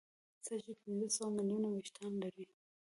سږي پنځه سوه ملیونه وېښتان لري.